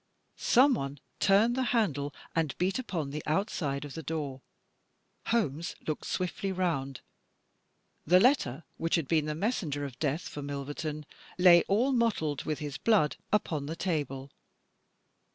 Someone turned the handle and beat upon the outside of the door. Holmes looked swiftly round. The letter which had been the mes senger of death for Milverton lay, all mottled with his blood, upon the table.